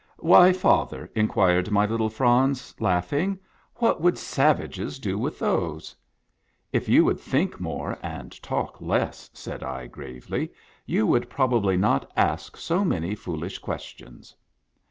" Why, father," inquired my little Franz, laughing, " what would savages do with those ?" "If you would think more and talk less," said I gravely, " you would probably not ask so many fool ish questions."